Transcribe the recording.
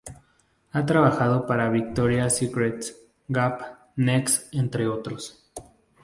Ha trabajado para Victoria's Secret, Gap, Next, entre otros.